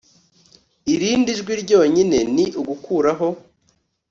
Irindi jwi ryonyine ni ugukuraho